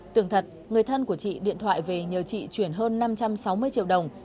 tường thật người thân của chị điện thoại về nhờ chị chuyển hơn năm trăm sáu mươi triệu đồng